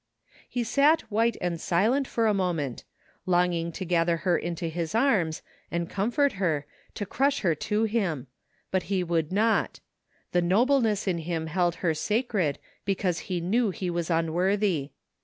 He sat white and silent for a moment, longing to gather her into his arms and comfort her, to crush her to him ; but he would not. The nobleness in him held her sacred because he knew he was unworthy.